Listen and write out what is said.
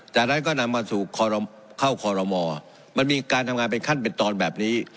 จากนั้นก็นำมาสู่เข้าคอรมอมันมีการทำงานเป็นขั้นเป็นตอนแบบนี้